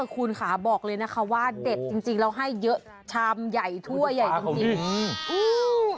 คุณค่ะบอกเลยนะคะว่าเด็ดจริงแล้วให้เยอะชามใหญ่ทั่วใหญ่จริง